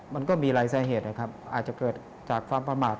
มันก็มีหลายสาเหตุนะครับอาจจะเกิดจากความประมาท